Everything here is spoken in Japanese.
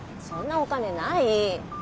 そんなお金ない。